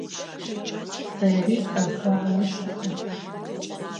Сэри ӏэгуао сиӏэп.